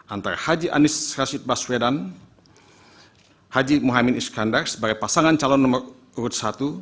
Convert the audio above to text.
antara haji anies rashid baswedan haji muhaymin iskandar sebagai pasangan calon nomor urut satu